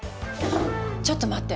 ちょっと待って！